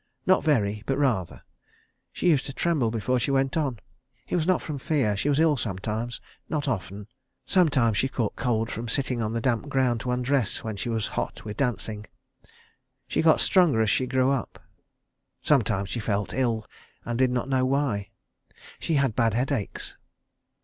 Not very, but rather. She used to tremble before she went on. It was not from fear. She was ill sometimes. Not often. Sometimes she caught cold from sitting on the damp ground to undress when she was hot with dancing. She got stronger as she grew up. Sometimes she felt ill, and did not know why. She had bad headaches.